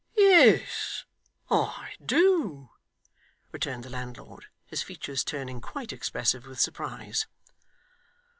'Yes, I do,' returned the landlord, his features turning quite expressive with surprise.